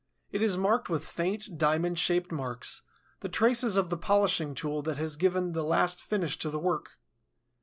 It is marked with faint, diamond shaped marks, the traces of the polishing tool that has given the last finish to the work.